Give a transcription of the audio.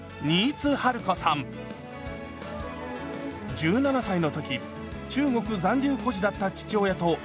１７歳の時中国残留孤児だった父親と家族で来日。